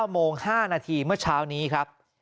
๙โมง๕นาทีเมื่อเช้านี้ครับ